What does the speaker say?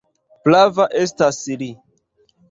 Prava estas Li!